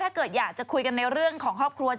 ถ้าเกิดอยากจะคุยกันในเรื่องของครอบครัว